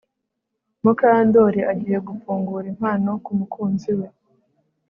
Mukandoli agiye gufungura impano kumukunzi we